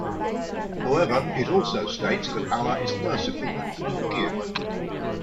However it also states that Allah is merciful and could forgive.